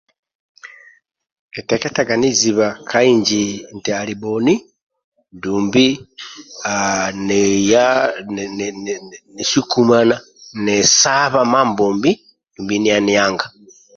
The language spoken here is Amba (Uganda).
Nkiteketaga niziba ka inji ndiamo nti ali bhoni dumbi niya nisukumana nisaba Mambombi dumbi niya nianga.